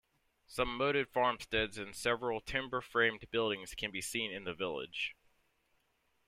Some moated farmsteads and several timber-framed buildings can be seen in the village.